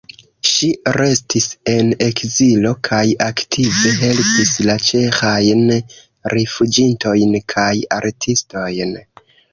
Ŝi restis en ekzilo kaj aktive helpis la ĉeĥajn rifuĝintojn kaj artistojn.